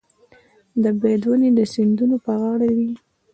د بید ونې د سیندونو په غاړه وي.